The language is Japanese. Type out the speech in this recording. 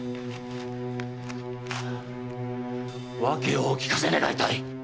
わけをお聞かせ願いたい！